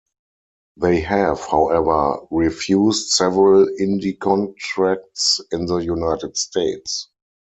They have, however, refused several indie contracts in the United States.